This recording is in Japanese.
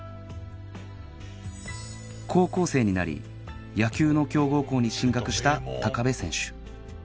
高校生になり野球の強豪校に進学した部選手